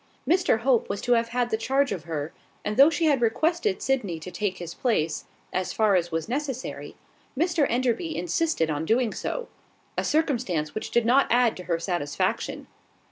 Mr Hope was to have had the charge of her; and though she had requested Sydney to take his place, as far as was necessary, Mr Enderby insisted on doing so; a circumstance which did not add to her satisfaction.